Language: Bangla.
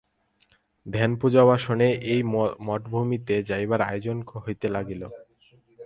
ধ্যানপূজাবসানে এইবার মঠভূমিতে যাইবার আয়োজন হইতে লাগিল।